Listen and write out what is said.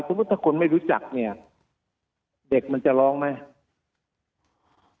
ถ้าคนไม่รู้จักเนี่ยเด็กมันจะร้องไหม